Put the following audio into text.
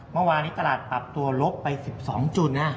เมื่อวานนี้ตลาดปรับตัวลบไป๑๒จุดนะ